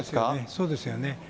そうですよね。